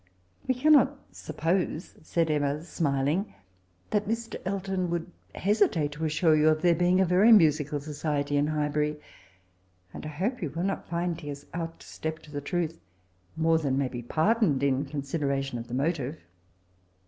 * "*We cannot suppose,* said Emma; smiling, 'that Mr. Elton woold hesitate to assure you of there being a very musical society in Highbury ; and I hope you will not find he has overstepped the truth more than may be pardoned, in consideration of the motive.'